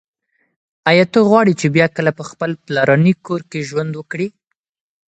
ایا ته غواړي چې بیا کله په خپل پلرني کور کې ژوند وکړې؟